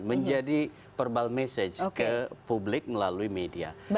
menjadi verbal message ke publik melalui media